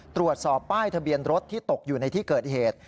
ตรวจสอบป้ายทะเบียนรถที่ตกอยู่ในที่เกิดเหตุ